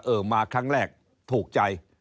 มาครั้งแรกถูกใจ